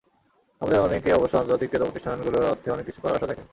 আমাদের অনেকে অবশ্য আন্তর্জাতিক ক্রেতাপ্রতিষ্ঠানগুলোর অর্থে অনেক কিছু করার আশা দেখেন।